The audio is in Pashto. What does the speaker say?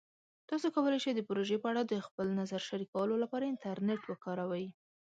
تاسو کولی شئ د پروژې په اړه د خپل نظر شریکولو لپاره انټرنیټ وکاروئ.